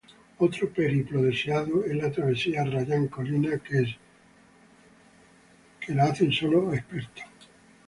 Otro periplo deseado es la Travesía Arrayán-Colina que es dada sólo para expertos.